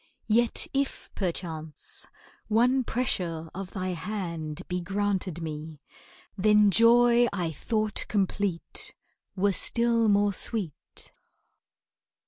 Yet, if perchance one pressure of thy hand Be granted me, then joy I thought complete Were still more sweet.